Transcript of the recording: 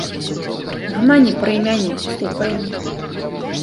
Гамані пра імяніны, слухаем.